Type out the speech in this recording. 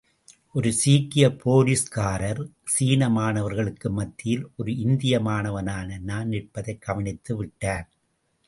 ஒரு சீக்கியப் போலீஸ்காரர், சீன மாணவர்களுக்கு மத்தியில் ஒரு இந்திய மாணவனான நான் நிற்பதைக் கவனித்து விட்டார்.